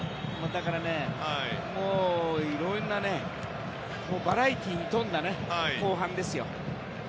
だからいろんなバラエティーに富んだ後半ですよね